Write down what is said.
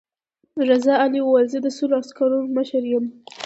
رضا علي وویل زه د سلو عسکرو مشر یم.